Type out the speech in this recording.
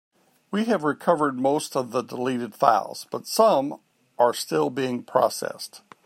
We have recovered most of the deleted files, but some are still being processed.